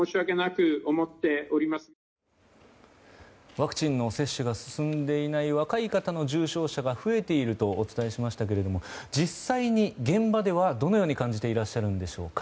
ワクチンの接種が進んでいない若い方の重症者が増えているとお伝えしましたけれども実際に現場ではどのように感じてらっしゃるのでしょうか。